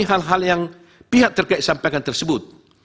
hal hal yang pihak terkait sampaikan tersebut